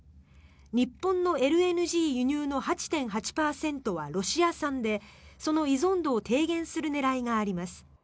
日本のＬＮＧ輸入の８．８％はロシア産でその依存度を低減する狙いがあります。